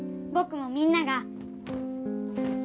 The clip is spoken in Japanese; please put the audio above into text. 僕もみんなが。